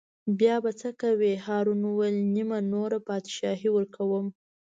بیا به څه کوې هارون وویل: نیمه نوره بادشاهي ورکووم.